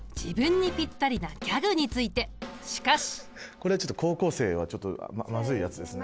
これはちょっと高校生はちょっとまずいやつですね。